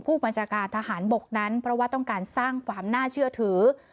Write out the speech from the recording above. ผู้บัญชาการทหารบกนั้นเพราะว่าต้องการสร้างความน่าเชื่อถือ